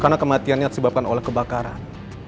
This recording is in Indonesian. karena kematiannya disebabkan oleh kebakaran